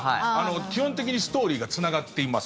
基本的にストーリーがつながっています。